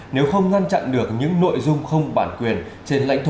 nếu không ngăn chặn được những nội dung không đáng chú ý